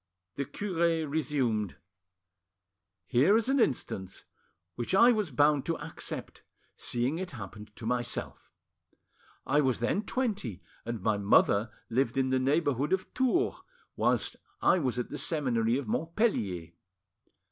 The cure resumed— "Here is an instance which I was bound to accept, seeing it happened to myself. I was then twenty, and my mother lived in the neighbourhood of Tours, whilst I was at the seminary of Montpellier.